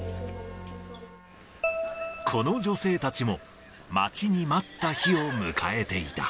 この女性たちも待ちに待った日を迎えていた。